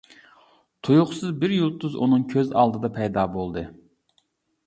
تۇيۇقسىز بىر يۇلتۇز ئۇنىڭ كۆز ئالدىدا پەيدا بولدى.